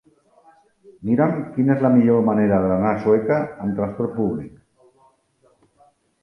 Mira'm quina és la millor manera d'anar a Sueca amb transport públic.